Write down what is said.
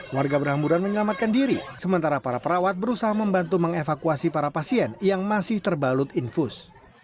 warga berhamburan menyelamatkan diri sementara para perawat berusaha membantu mengevakuasi para pasien yang masih terbalut infus